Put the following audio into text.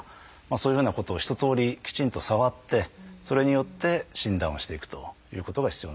そういうふうなことを一とおりきちんと触ってそれによって診断をしていくということが必要なんですよね。